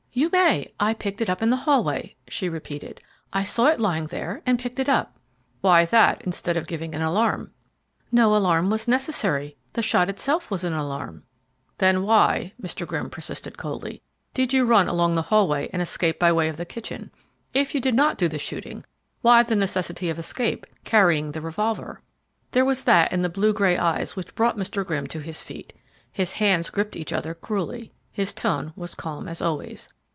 "You may. I picked it up in the hallway," she repeated. "I saw it lying there and picked it up." "Why that, instead of giving an alarm?" "No alarm was necessary. The shot itself was an alarm." "Then why," Mr. Grimm persisted coldly, "did you run along the hallway and escape by way of the kitchen? If you did not do the shooting, why the necessity of escape, carrying the revolver?" There was that in the blue gray eyes which brought Mr. Grimm to his feet. His hands gripped each other cruelly; his tone was calm as always.